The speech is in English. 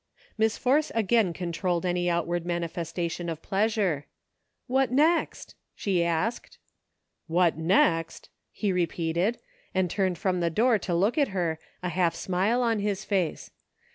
Miss Force again controlled any outward mani festation of pleasure. " What next .*" she asked. " What next !" he repeated, and turned from the door to look at her, a half smile on his face.